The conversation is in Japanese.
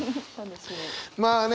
まあね